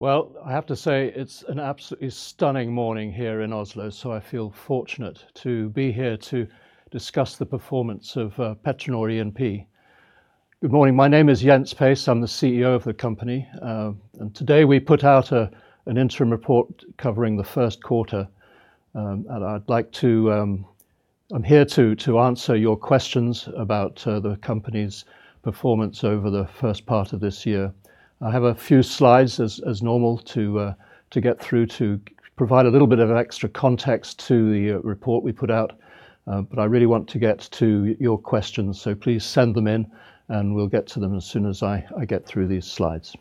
Well, I have to say it's an absolutely stunning morning here in Oslo. I feel fortunate to be here to discuss the performance of PetroNor E&P. Good morning. My name is Jens Pace. I'm the CEO of the company. Today we put out an interim report covering the first quarter. I'm here to answer your questions about the company's performance over the first part of this year. I have a few slides, as normal, to get through to provide a little bit of extra context to the report we put out. I really want to get to your questions. Please send them in. We'll get to them as soon as I get through these slides.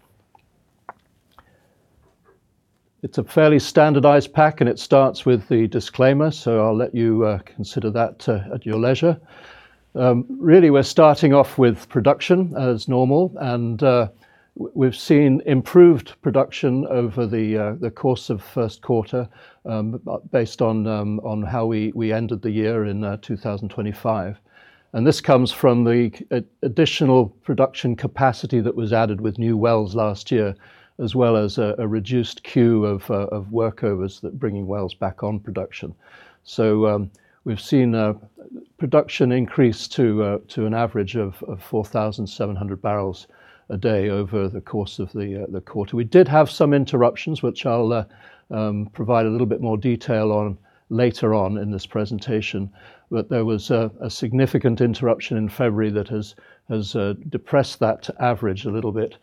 It's a fairly standardized pack. It starts with the disclaimer. I'll let you consider that at your leisure. Really, we're starting off with production as normal. We've seen improved production over the course of first quarter based on how we ended the year in 2025. This comes from the additional production capacity that was added with new wells last year, as well as a reduced queue of workovers bringing wells back on production. We've seen production increase to an average of 4,700 barrels a day over the course of the quarter. We did have some interruptions, which I'll provide a little bit more detail on later on in this presentation. There was a significant interruption in February that has depressed that average a little bit.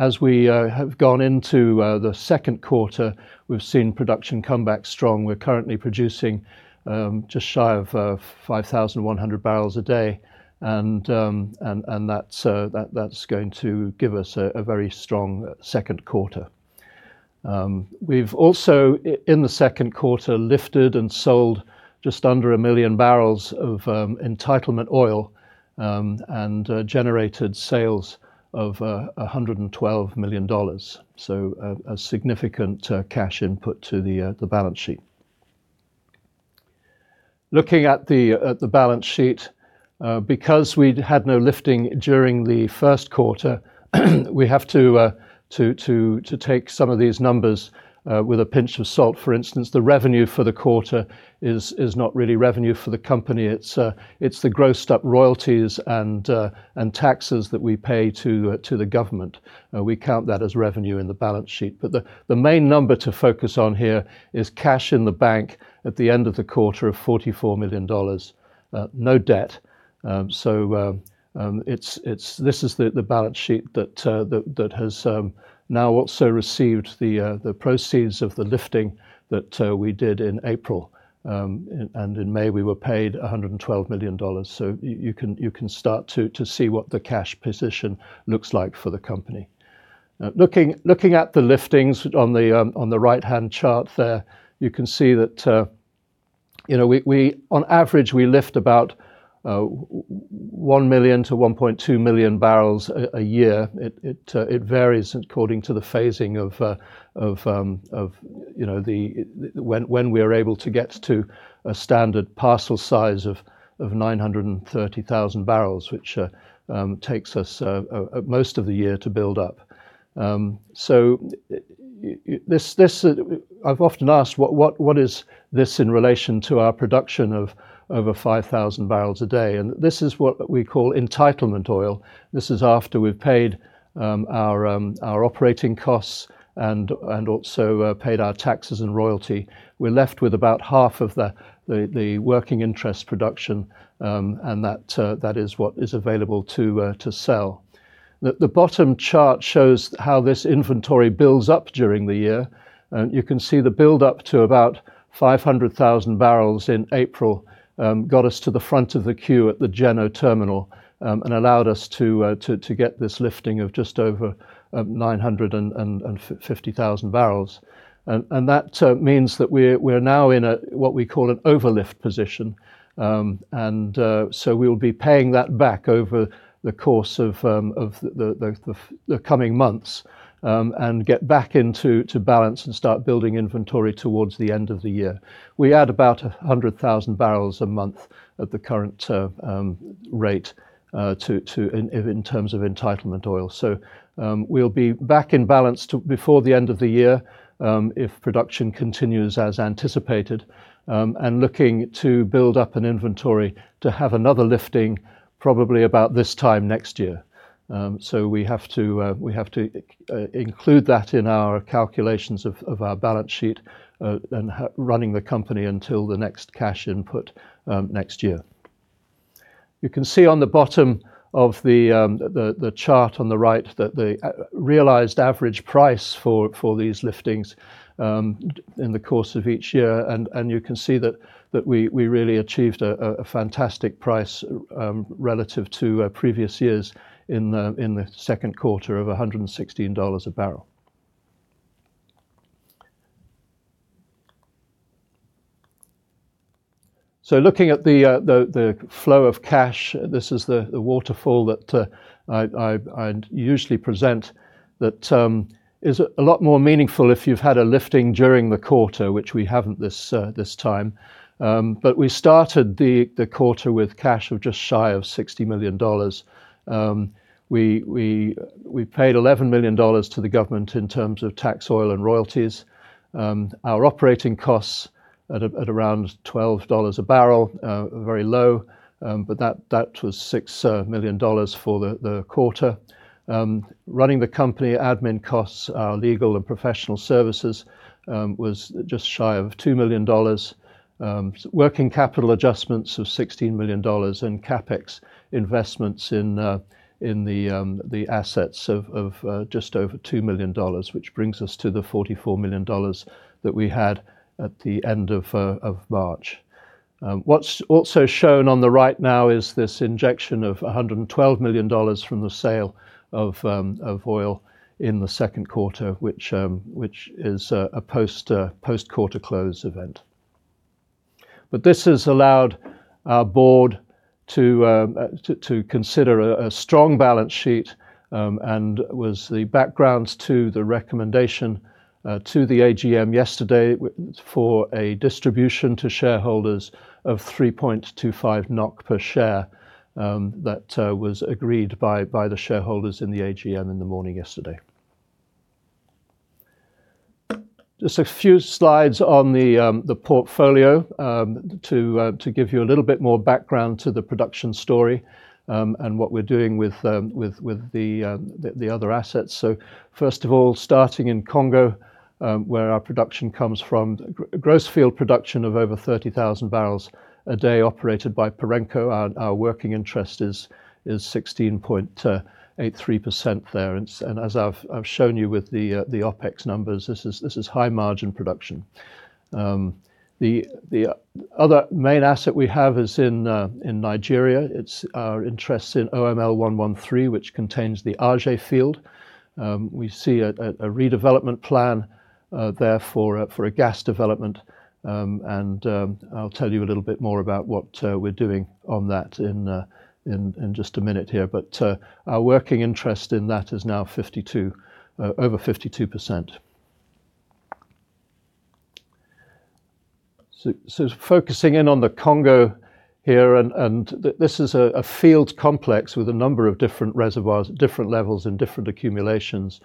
As we have gone into the second quarter, we've seen production come back strong. We're currently producing just shy of 5,100 barrels a day. That's going to give us a very strong second quarter. We've also, in the second quarter, lifted and sold just under a million barrels of entitlement oil, and generated sales of $112 million. A significant cash input to the balance sheet. Looking at the balance sheet. Because we'd had no lifting during the first quarter, we have to take some of these numbers with a pinch of salt. For instance, the revenue for the quarter is not really revenue for the company. It's the grossed-up royalties and taxes that we pay to the government. We count that as revenue in the balance sheet. The main number to focus on here is cash in the bank at the end of the quarter of $44 million. No debt. This is the balance sheet that has now also received the proceeds of the lifting that we did in April. In May, we were paid $112 million. You can start to see what the cash position looks like for the company. Looking at the liftings on the right-hand chart there, you can see that on average, we lift about 1 million to 1.2 million barrels a year. It varies according to the phasing of when we are able to get to a standard parcel size of 930,000 barrels, which takes us most of the year to build up. I've often asked, what is this in relation to our production of over 5,000 barrels a day? This is what we call entitlement oil. This is after we've paid our operating costs and also paid our taxes and royalty. We're left with about half of the working interest production, and that is what is available to sell. The bottom chart shows how this inventory builds up during the year. You can see the build-up to about 500,000 barrels in April got us to the front of the queue at the Djeno Terminal, allowed us to get this lifting of just over 950,000 barrels. That means that we're now in what we call an overlift position. We'll be paying that back over the course of the coming months, and get back into balance and start building inventory towards the end of the year. We add about 100,000 barrels a month at the current rate in terms of entitlement oil. We'll be back in balance before the end of the year if production continues as anticipated, and looking to build up an inventory to have another lifting probably about this time next year. We have to include that in our calculations of our balance sheet, and running the company until the next cash input next year. You can see on the bottom of the chart on the right that the realized average price for these liftings in the course of each year, and you can see that we really achieved a fantastic price relative to previous years in the second quarter of $116 a barrel. Looking at the flow of cash, this is the waterfall that I usually present that is a lot more meaningful if you've had a lifting during the quarter, which we haven't this time. We started the quarter with cash of just shy of $60 million. We paid $11 million to the government in terms of tax oil and royalties. Our operating costs at around $12 a barrel. Very low. That was $6 million for the quarter. Running the company admin costs, our legal and professional services was just shy of $2 million. Working capital adjustments of $16 million, and CapEx investments in the assets of just over $2 million, which brings us to the $44 million that we had at the end of March. What's also shown on the right now is this injection of $112 million from the sale of oil in the second quarter, which is a post quarter close event. This has allowed our board to consider a strong balance sheet, and was the background to the recommendation to the AGM yesterday for a distribution to shareholders of 3.25 NOK per share. That was agreed by the shareholders in the AGM in the morning yesterday. Just a few slides on the portfolio to give you a little bit more background to the production story, and what we're doing with the other assets. First of all, starting in Congo, where our production comes from. Gross field production of over 30,000 barrels a day operated by Perenco. Our working interest is 16.83% there. As I've shown you with the OpEx numbers, this is high-margin production. The other main asset we have is in Nigeria. It's our interest in OML 113, which contains the Aje Field. We see a redevelopment plan there for a gas development. I'll tell you a little bit more about what we're doing on that in just a minute here. Our working interest in that is now over 52%. Focusing in on the Congo here, and this is a fields complex with a number of different reservoirs at different levels and different accumulations.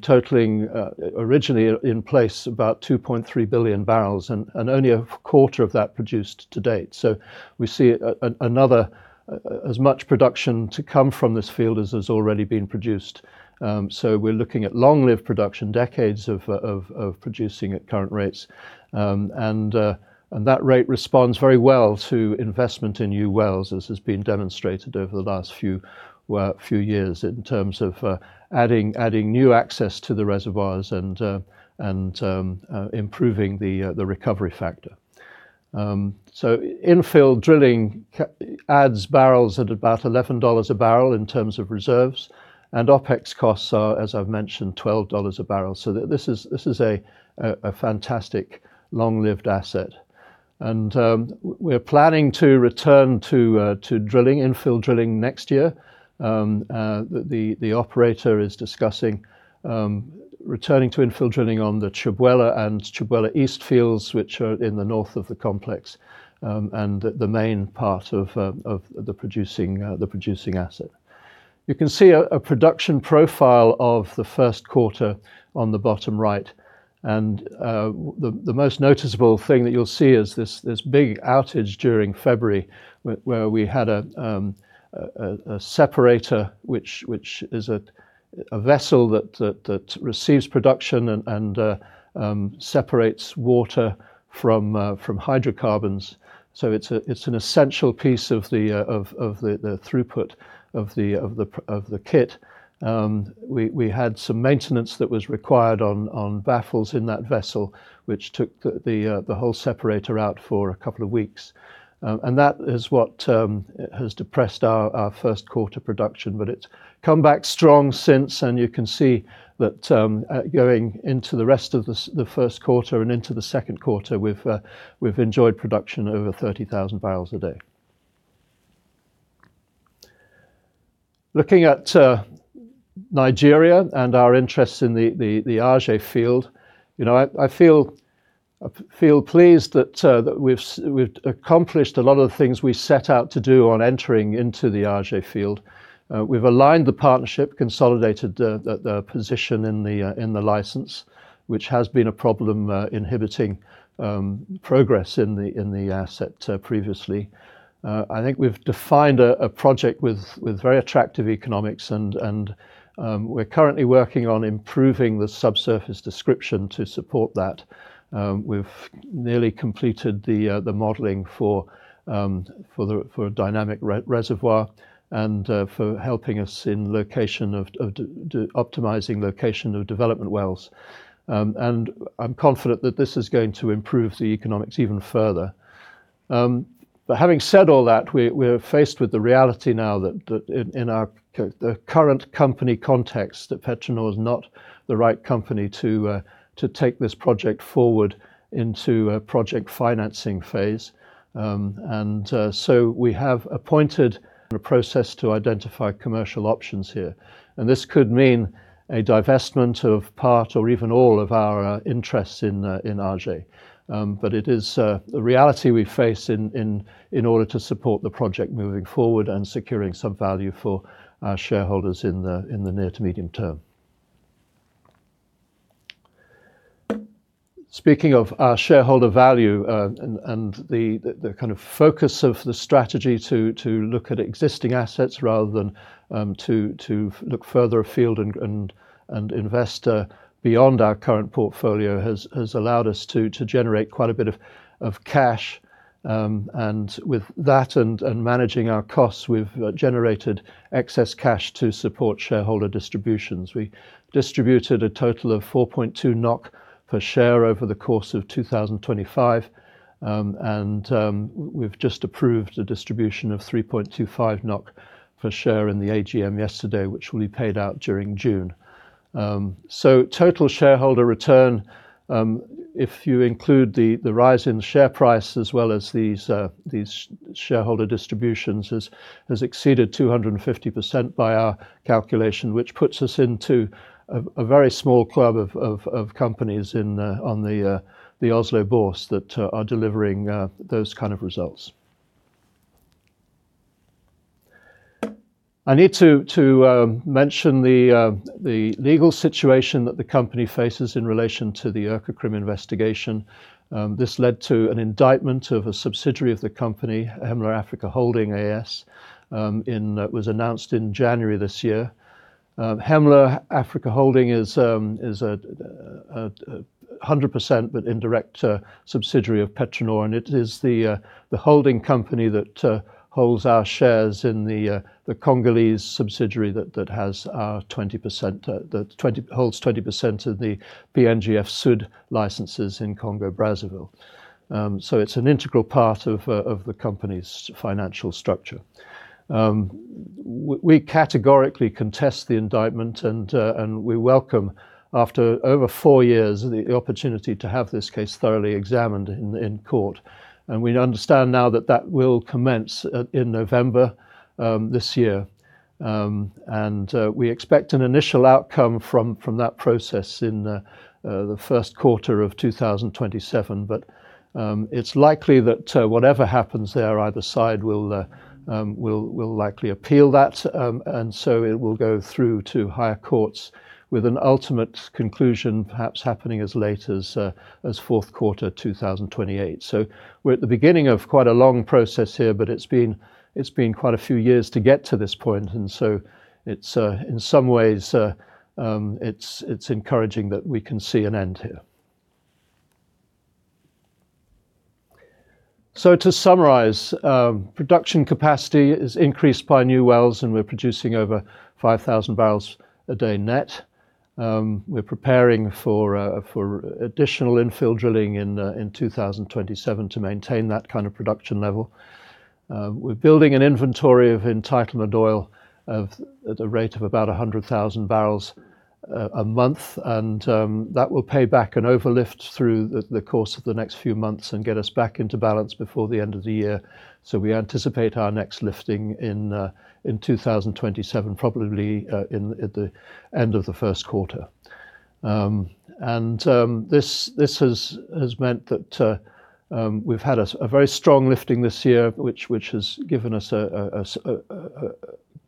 Totaling, originally in place about 2.3 billion barrels, and only a quarter of that produced to date. We see another as much production to come from this field as has already been produced. We're looking at long-lived production, decades of producing at current rates. That rate responds very well to investment in new wells, as has been demonstrated over the last few years in terms of adding new access to the reservoirs and improving the recovery factor. Infill drilling adds barrels at about $11 a barrel in terms of reserves, and OpEx costs are, as I've mentioned, $12 a barrel. This is a fantastic long-lived asset. We're planning to return to infill drilling next year. The operator is discussing returning to infill drilling on the Tchibouela and Tchibouela East fields, which are in the north of the complex. The main part of the producing asset. You can see a production profile of the first quarter on the bottom right. The most noticeable thing that you'll see is this big outage during February, where we had a separator, which is a vessel that receives production and separates water from hydrocarbons. It's an essential piece of the throughput of the kit. We had some maintenance that was required on baffles in that vessel, which took the whole separator out for a couple of weeks. That is what has depressed our first quarter production. It's come back strong since. You can see that going into the rest of the first quarter and into the second quarter, we've enjoyed production over 30,000 barrels a day. Looking at Nigeria and our interests in the Aje Field. I feel pleased that we've accomplished a lot of the things we set out to do on entering into the Aje Field. We've aligned the partnership, consolidated the position in the license, which has been a problem inhibiting progress in the asset previously. I think we've defined a project with very attractive economics, and we're currently working on improving the subsurface description to support that. We've nearly completed the modeling for a dynamic reservoir and for helping us in optimizing location of development wells. I'm confident that this is going to improve the economics even further. Having said all that, we're faced with the reality now that in the current company context, that PetroNor is not the right company to take this project forward into a project financing phase. We have appointed a process to identify commercial options here, and this could mean a divestment of part or even all of our interests in Aje. It is a reality we face in order to support the project moving forward and securing some value for our shareholders in the near to medium term. Speaking of our shareholder value, and the focus of the strategy to look at existing assets rather than to look further afield and invest beyond our current portfolio has allowed us to generate quite a bit of cash. With that and managing our costs, we've generated excess cash to support shareholder distributions. We distributed a total of 4.2 NOK per share over the course of 2025, and we've just approved a distribution of 3.25 NOK per share in the AGM yesterday, which will be paid out during June. Total shareholder return, if you include the rise in share price as well as these shareholder distributions, has exceeded 250% by our calculation, which puts us into a very small club of companies on the Oslo Børs that are delivering those kind of results. I need to mention the legal situation that the company faces in relation to the Økokrim investigation. This led to an indictment of a subsidiary of the company, Hemla Africa Holding AS. It was announced in January this year. Hemla Africa Holding is 100% but indirect subsidiary of PetroNor. It is the holding company that holds our shares in the Congolese subsidiary that holds 20% of the PNGF Sud licenses in the Republic of Congo. It's an integral part of the company's financial structure. We categorically contest the indictment. We welcome, after over four years, the opportunity to have this case thoroughly examined in court. We understand now that that will commence in November this year. We expect an initial outcome from that process in the first quarter of 2027. It's likely that whatever happens there, either side will likely appeal that. It will go through to higher courts with an ultimate conclusion perhaps happening as late as fourth quarter 2028. We're at the beginning of quite a long process here, but it's been quite a few years to get to this point, in some ways, it's encouraging that we can see an end here. To summarize, production capacity is increased by new wells, and we're producing over 5,000 barrels a day net. We're preparing for additional infill drilling in 2027 to maintain that kind of production level. We're building an inventory of entitlement oil at a rate of about 100,000 barrels a month, and that will pay back an overlift through the course of the next few months and get us back into balance before the end of the year. We anticipate our next lifting in 2027, probably at the end of the first quarter. This has meant that we've had a very strong lifting this year, which has given us a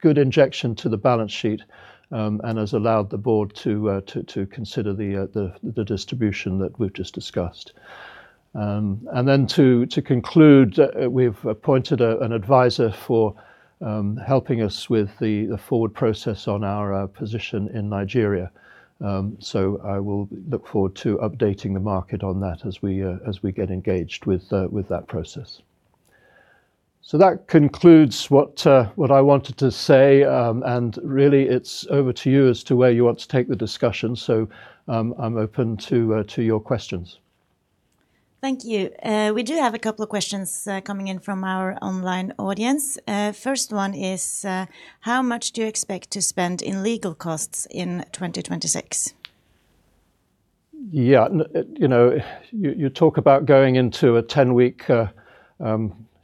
good injection to the balance sheet, and has allowed the board to consider the distribution that we've just discussed. To conclude, we've appointed an advisor for helping us with the forward process on our position in Nigeria. I will look forward to updating the market on that as we get engaged with that process. That concludes what I wanted to say, and really it's over to you as to where you want to take the discussion. I'm open to your questions. Thank you. We do have a couple of questions coming in from our online audience. First one is, how much do you expect to spend in legal costs in 2026? You talk about going into a 10-week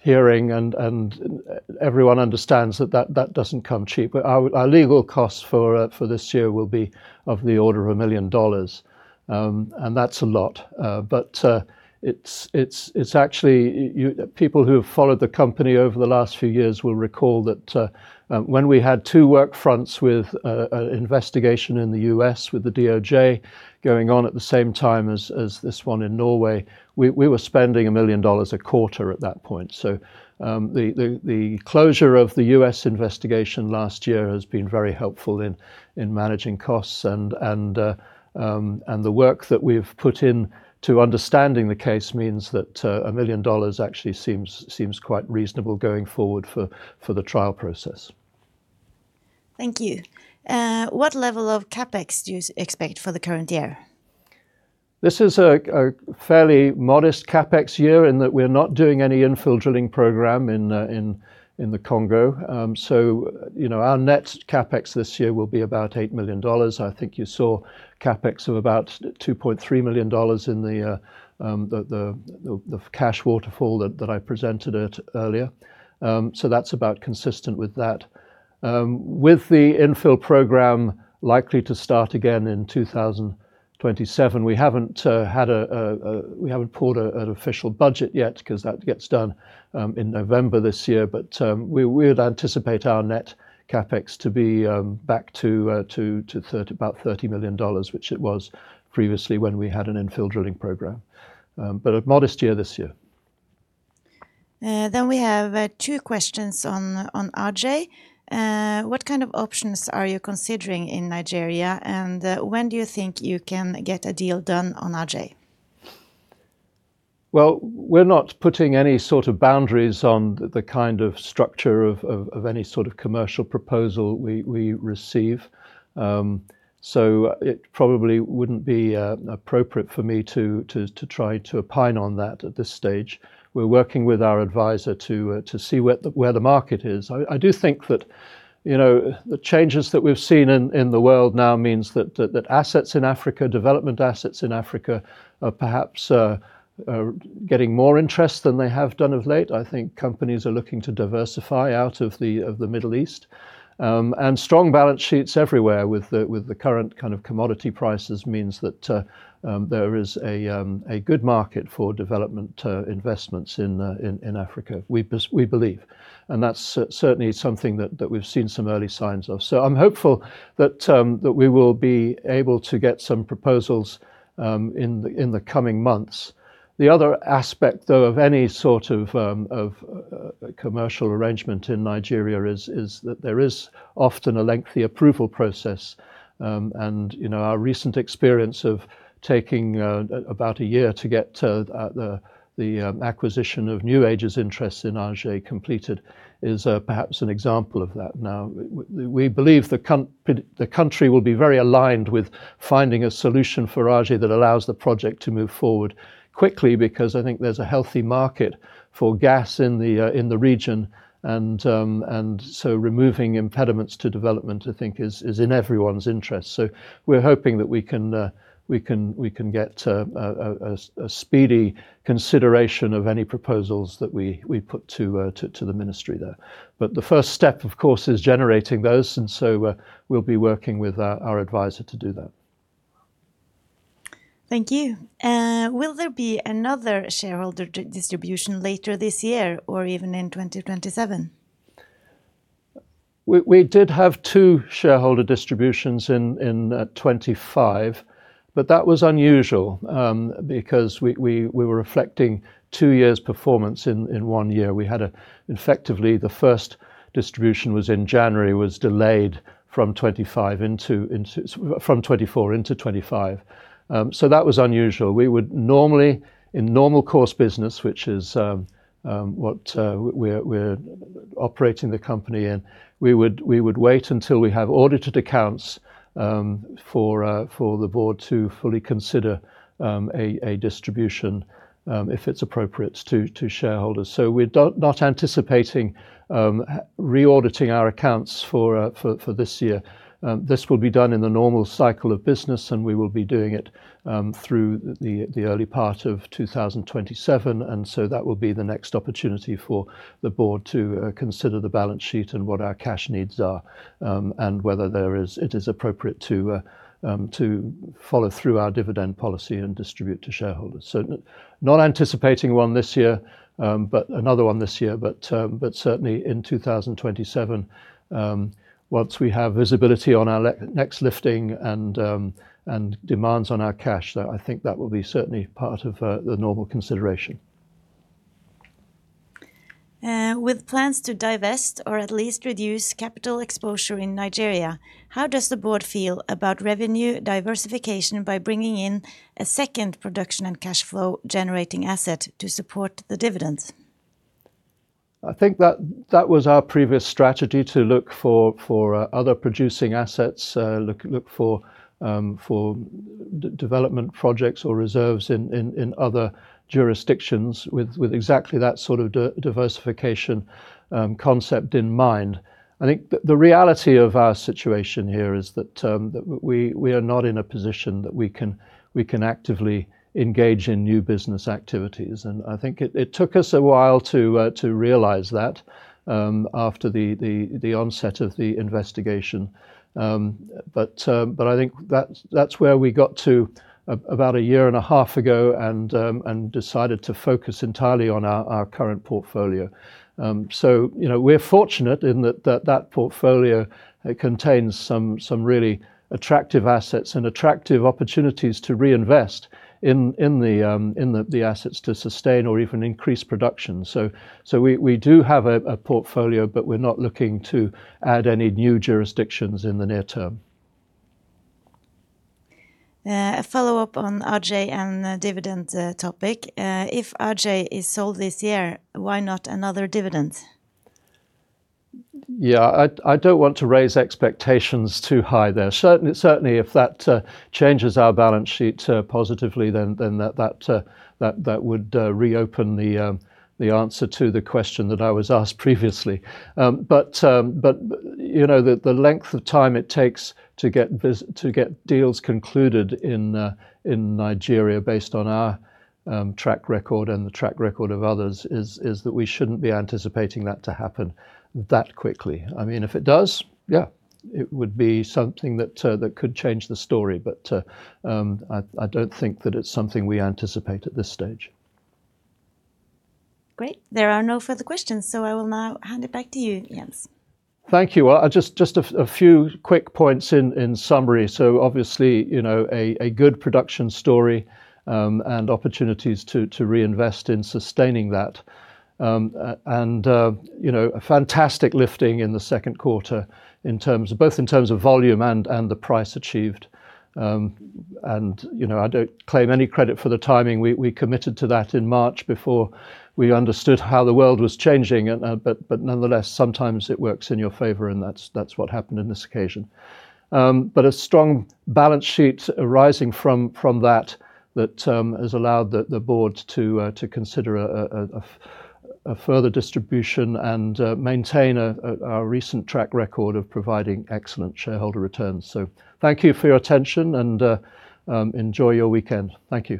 hearing, everyone understands that that doesn't come cheap. Our legal costs for this year will be of the order of $1 million, that's a lot. People who have followed the company over the last few years will recall that when we had two work fronts with an investigation in the U.S. with the DOJ going on at the same time as this one in Norway, we were spending $1 million a quarter at that point. The closure of the U.S. investigation last year has been very helpful in managing costs, the work that we've put in to understanding the case means that $1 million actually seems quite reasonable going forward for the trial process. Thank you. What level of CapEx do you expect for the current year? This is a fairly modest CapEx year in that we're not doing any infill drilling program in the Congo. Our net CapEx this year will be about $8 million. I think you saw CapEx of about $2.3 million in the cash waterfall that I presented earlier. That's about consistent with that. With the infill program likely to start again in 2027, we haven't pulled an official budget yet, because that gets done in November this year. We would anticipate our net CapEx to be back to about $30 million, which it was previously when we had an infill drilling program. A modest year this year. We have two questions on Aje. What kind of options are you considering in Nigeria? When do you think you can get a deal done on Aje? Well, we're not putting any sort of boundaries on the kind of structure of any sort of commercial proposal we receive. It probably wouldn't be appropriate for me to try to opine on that at this stage. We're working with our advisor to see where the market is. I do think that the changes that we've seen in the world now means that development assets in Africa are perhaps getting more interest than they have done of late. I think companies are looking to diversify out of the Middle East. Strong balance sheets everywhere with the current kind of commodity prices means that there is a good market for development investments in Africa, we believe. That's certainly something that we've seen some early signs of. I'm hopeful that we will be able to get some proposals in the coming months. The other aspect, though, of any sort of commercial arrangement in Nigeria is that there is often a lengthy approval process. Our recent experience of taking about a year to get the acquisition of New Age's interest in Aje completed is perhaps an example of that now. We believe the country will be very aligned with finding a solution for Aje that allows the project to move forward quickly, because I think there's a healthy market for gas in the region, removing impediments to development, I think, is in everyone's interest. We're hoping that we can get a speedy consideration of any proposals that we put to the ministry there. The first step, of course, is generating those, we'll be working with our advisor to do that. Thank you. Will there be another shareholder distribution later this year or even in 2027? We did have two shareholder distributions in 2025, but that was unusual, because we were reflecting two years' performance in one year. Effectively, the first distribution was in January, was delayed from 2024 into 2025. That was unusual. In normal course business, which is what we're operating the company in, we would wait until we have audited accounts for the board to fully consider a distribution, if it's appropriate to shareholders. We're not anticipating re-auditing our accounts for this year. This will be done in the normal cycle of business, and we will be doing it through the early part of 2027. That will be the next opportunity for the board to consider the balance sheet and what our cash needs are, and whether it is appropriate to follow through our dividend policy and distribute to shareholders. Not anticipating another one this year, but certainly in 2027. Once we have visibility on our next lifting and demands on our cash, I think that will be certainly part of the normal consideration. With plans to divest or at least reduce capital exposure in Nigeria, how does the board feel about revenue diversification by bringing in a second production and cash flow generating asset to support the dividends? I think that was our previous strategy, to look for other producing assets, look for development projects or reserves in other jurisdictions with exactly that sort of diversification concept in mind. I think the reality of our situation here is that we are not in a position that we can actively engage in new business activities. I think it took us a while to realize that after the onset of the investigation. I think that's where we got to about a year and a half ago and decided to focus entirely on our current portfolio. We're fortunate in that that portfolio contains some really attractive assets and attractive opportunities to reinvest in the assets to sustain or even increase production. We do have a portfolio, but we're not looking to add any new jurisdictions in the near term. A follow-up on Aje and the dividend topic. If Aje is sold this year, why not another dividend? Yeah. I don't want to raise expectations too high there. If that changes our balance sheet positively, that would reopen the answer to the question that I was asked previously. The length of time it takes to get deals concluded in Nigeria based on our track record and the track record of others, is that we shouldn't be anticipating that to happen that quickly. If it does, yeah, it would be something that could change the story. I don't think that it's something we anticipate at this stage. Great. There are no further questions, so I will now hand it back to you, Jens. Thank you. Just a few quick points in summary. Obviously, a good production story and opportunities to reinvest in sustaining that. A fantastic lifting in the second quarter, both in terms of volume and the price achieved. I don't claim any credit for the timing. We committed to that in March before we understood how the world was changing. Nonetheless, sometimes it works in your favor, and that's what happened in this occasion. A strong balance sheet arising from that has allowed the board to consider a further distribution and maintain our recent track record of providing excellent shareholder returns. Thank you for your attention, and enjoy your weekend. Thank you.